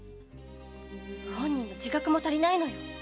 本人の自覚も足りないのよ。